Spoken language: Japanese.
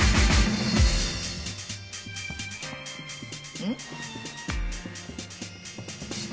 うん？